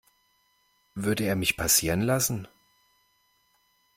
Würde er mich passieren lassen?